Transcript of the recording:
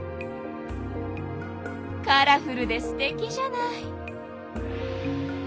カラフルですてきじゃない。